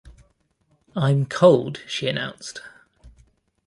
"I'm cold," she announced.